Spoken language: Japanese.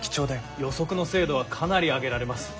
予測の精度はかなり上げられます。